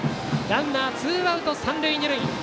ランナーツーアウト、三塁二塁。